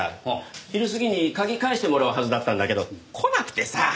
昼過ぎに鍵返してもらうはずだったんだけど来なくてさあ。